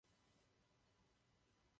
Tyto reformy potřebujeme, Unie je potřebuje.